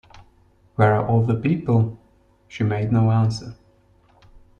“Where are all the people?” She made no answer.